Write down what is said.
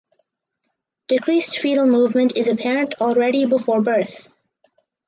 Decreased foetal movement is apparent already before birth.